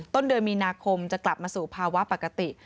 ต้นเดือนมีนาคมจะกลับมาสู่ภาวะปกติ